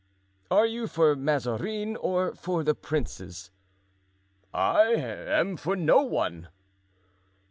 "Are you for Mazarin or for the princes?" "I am for no one."